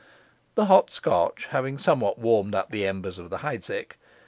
The hot Scotch having somewhat warmed up the embers of the Heidsieck.